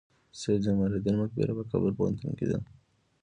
سید جمال الدین مقبره په کابل پوهنتون کې ده؟